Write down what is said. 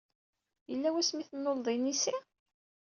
Yella wasmi ay tennuleḍ inisi?